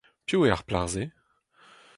Piv eo ar plac'h-se ?